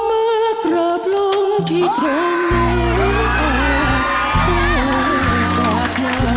เมื่อกรอบลงที่โทรโน้นกาของเกาะ